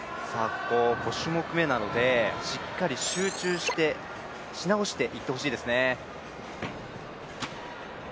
５種目めなので、しっかり集中し直していってほしいですね。